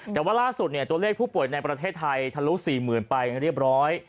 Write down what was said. แต่ว่าล่าสุดตัวเลขผู้ป่วยในประเทศไทยทะลุ๔๐๐๐ไปเรียบร้อย